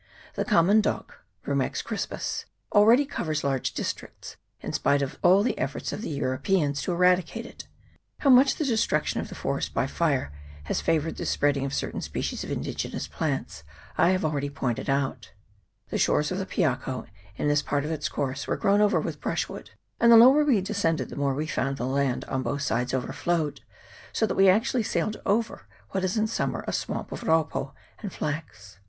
The common dock (Rumex crispus) already covers large districts, in spite of all the efforts of the Europeans to eradi cate it : how much the destruction of the forest by fire has favoured the spreading of certain species of indigenous plants I have already pointed out The shores of the Piako in this part of its course VOL. i. 2 E 418 PIAKO TO WAIHEKE. [PART II. were grown over with brushwood, and the lower we descended the more we found the land on both sides overflowed, so that we actually sailed over what is in summer a swamp of raupo and flax.